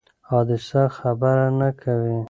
حادثه خبر نه کوي.